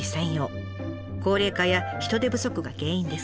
高齢化や人手不足が原因です。